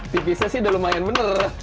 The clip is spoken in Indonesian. tipisnya sih udah lumayan bener